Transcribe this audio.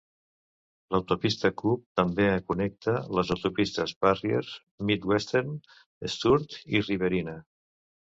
L'autopista Coob també connecta les autopistes Barrier, Mid-Western, Sturt i Riverina.